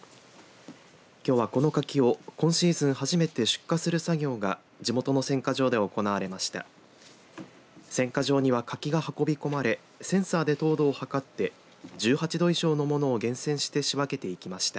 きょうは、この柿を今シーズン初めて出荷する作業が地元の選果場で行われました。